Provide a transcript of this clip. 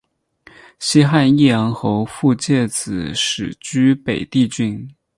西汉义阳侯傅介子始居北地郡。